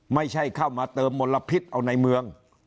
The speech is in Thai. ไม่ใช่เข้ามาเติมมลพิษเอาในเมือง